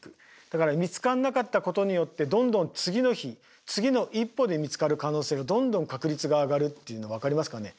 だから見つからなかったことによってどんどん次の日次の一歩で見つかる可能性がどんどん確率が上がるっていうの分かりますかね。